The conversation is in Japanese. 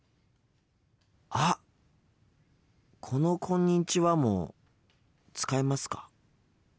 あっこの「こんにちは」も使いますか？